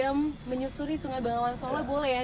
yang adem air menyusuri sungai bangawan solo boleh ya